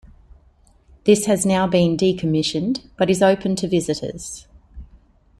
This has now been decommissioned, but is open to visitors.